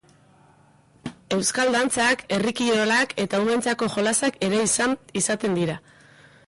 Euskal dantzak, herri kirolak eta umeentzako jolasak ere izaten dira.